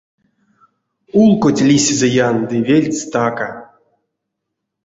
Улкоть лиссь зыян ды вельть стака.